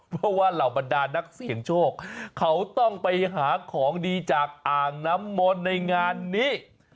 เพราะว่าเหล่าบรรดานักเสี่ยงโชคเขาต้องไปหาของดีจากอ่างน้ำมนต์ในงานนี้